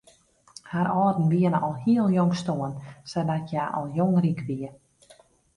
Har âlden wiene al hiel jong stoarn sadat hja al jong ryk wie.